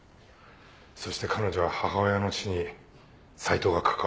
そして彼女は母親の死に斎藤が関わってると思ってる。